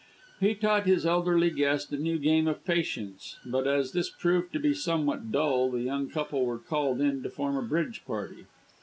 He taught his elderly guest a new game of patience; but, as this proved to be somewhat dull, the young couple were called in to form a bridge party.